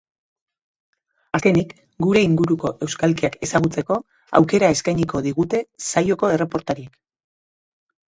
Azkenik, gure inguruko euskalkiak ezagutzeko aukera eskainiko digute saioko erreportariek.